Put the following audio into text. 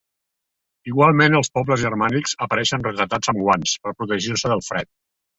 Igualment els pobles germànics apareixen retratats amb guants per protegir-se del fred.